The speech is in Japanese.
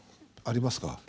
ありますか？